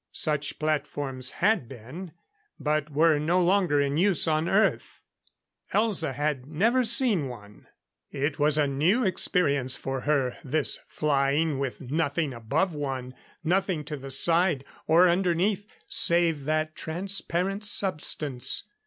Such platforms had been, but were no longer in use on Earth. Elza had never seen one. It was a new experience for her, this flying with nothing above one, nothing to the side, or underneath save that transparent substance.